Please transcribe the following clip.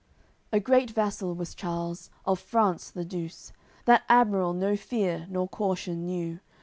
AOI. CCLIX A great vassal was Charles, of France the Douce; That admiral no fear nor caution knew.